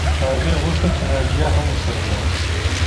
هغې غوښتل چې ناجیه هم ورسره لاړه شي